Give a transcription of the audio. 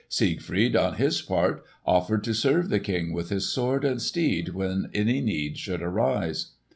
Siegfried on his part offered to serve the King with his sword and steed when any need should arise.